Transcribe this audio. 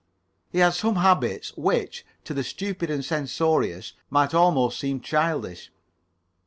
He had some habits, which, to the stupid and censorious, might almost seem childish.